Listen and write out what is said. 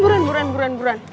buruan buruan buruan